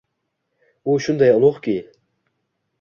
U shunday ulug’ki